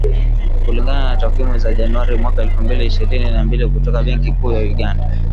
Kulingana na takwimu za Januari, mwaka elfu mbili ishirini na mbili kutoka Benki Kuu ya Uganda